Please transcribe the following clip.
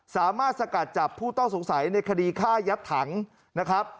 สามารถสกัดจับผู้ต้องสงสัยในคดีฆ่ายัดถังนะครับ